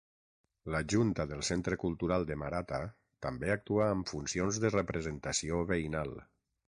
La junta del Centre Cultural de Marata també actua amb funcions de representació veïnal.